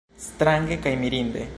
Strange kaj mirinde!